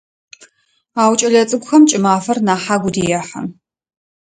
Ау кӏэлэцӏыкӏухэм кӏымафэр нахь агу рехьы.